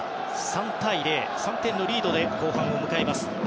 ３対０、３点のリードで後半を迎えます。